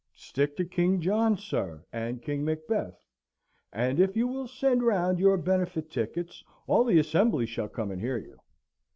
Stick to King John, sir, and King Macbeth; and if you will send round your benefit tickets, all the Assembly shall come and hear you.